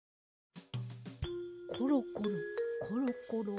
コロコロコロコロ。